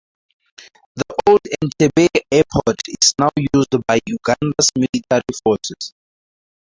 The Old Entebbe airport is now used by Uganda's military forces.